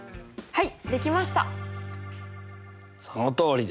はい。